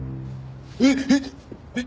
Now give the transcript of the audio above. えっ？えっ？えっ？